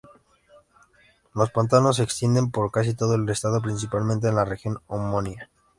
Los pantanos se extienden por casi todo el estado, principalmente en la región homónima.